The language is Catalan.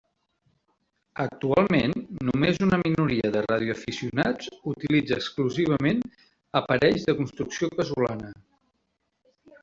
Actualment, només una minoria de radioaficionats utilitza exclusivament aparells de construcció casolana.